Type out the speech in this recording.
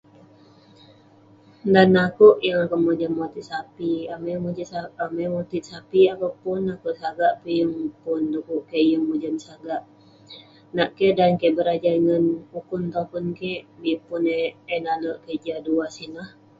Dan neh akouk yeng akouk mojam motit sapik. Amai motit sa- amai motit sapik akouk pun, akouk sagak peh yeng pun dekuk kek yeng mojam sagak. Nak keh dan kek berajan ngan ukun topun kik, bik pun eh nale'erk kek jah duah sineh.